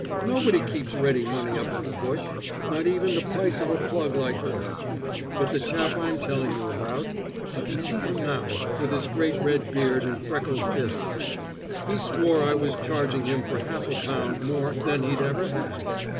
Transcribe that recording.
Nobody keeps ready money up at the bush, not even the price of a plug like this; but the chap I'm telling you about (I can see him now, with his great red beard and freckled fists) he swore I was charging him for half a pound more than he'd ever had.